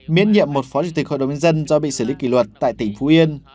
miễn nhiệm một phó chủ tịch hội đồng nhân dân do bị xử lý kỷ luật tại tỉnh phú yên